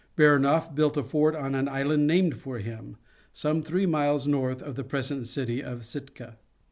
Baranof built a fort on an island named for him, some three miles north of the present city of Sitka.